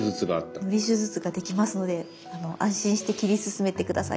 のり手術ができますので安心して切り進めて下さい。